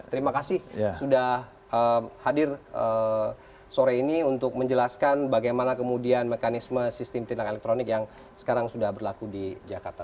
terima kasih sudah hadir sore ini untuk menjelaskan bagaimana kemudian mekanisme sistem tilang elektronik yang sekarang sudah berlaku di jakarta